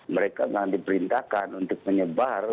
mereka yang diperintahkan untuk menyebar